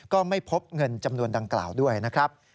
ก็ไม่พบเงินจำนวนดังกล่าวด้วยนะครับ